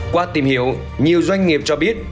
qua tìm hiểu nhiều doanh nghiệp cho biết